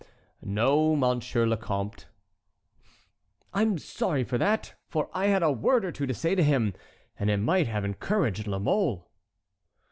"No, Monsieur le Comte." "I'm sorry for that; for I had a word or two to say to him, and it might have encouraged La Mole."